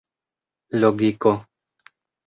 logiko